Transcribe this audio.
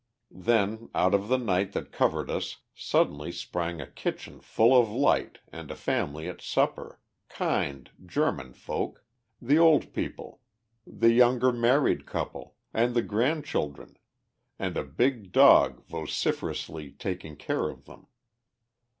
Then, out of the night that covered us, suddenly sprang a kitchen full of light and a family at supper, kind German folk, the old people, the younger married couple, and the grandchildren, and a big dog vociferously taking care of them.